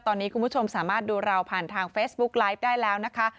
ตอนนี้คุณผู้ชมสามารถดูเราผ่านทางเฟซบุ๊กไลฟ์ได้แล้วนะคะ